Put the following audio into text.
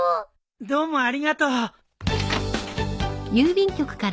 どうもありがとう。